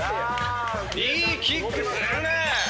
いいキックするね！